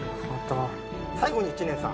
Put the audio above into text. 最後に知念さん